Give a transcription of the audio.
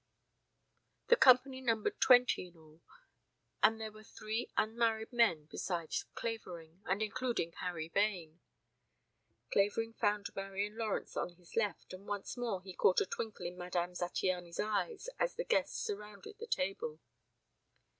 The company numbered twenty in all and there were three unmarried men besides Clavering, and including Harry Vane. Clavering found Marian Lawrence on his left, and once more he caught a twinkle in Madame Zattiany's eyes as the guests surrounded the table.